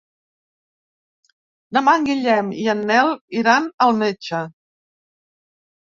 Demà en Guillem i en Nel iran al metge.